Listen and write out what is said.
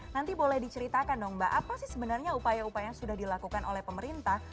nanti boleh diceritakan dong mbak apa sih sebenarnya upaya upaya yang sudah dilakukan oleh pemerintah